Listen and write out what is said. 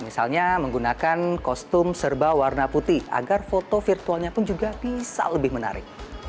misalnya menggunakan kostum serba warna putih agar foto virtualnya pun juga bisa lebih menarik